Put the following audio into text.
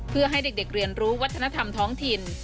เพื่อให้เด็กเรียนรู้วัฒนธรรมท้องถิ่น